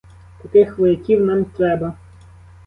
Таких вояків нам треба.